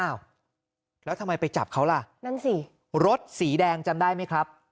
อ้าวแล้วทำไมไปจับเขาล่ะนั่นสิรถสีแดงจำได้ไหมครับ